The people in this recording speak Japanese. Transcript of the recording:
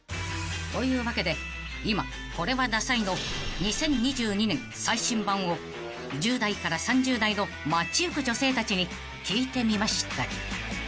［というわけで「今これはダサい」の２０２２年最新版を１０代から３０代の街行く女性たちに聞いてみました］